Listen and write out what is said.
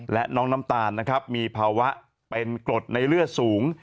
และน้องน้ำตาลนะครับมีภาวะเป็นกรดในเลือดสูง